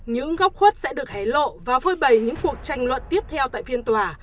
những góc khuất sẽ được hé lộ và phôi bầy những cuộc tranh luận tiếp theo tại phiên tòa